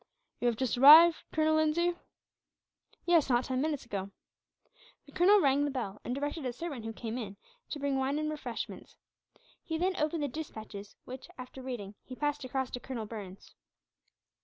"You have just arrived, Captain Lindsay?" "Yes, not ten minutes ago." The colonel rang the bell, and directed a servant who came in to bring in wine and refreshments. He then opened the despatches which, after reading, he passed across to Colonel Burns.